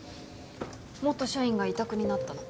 元社員が委託になったの。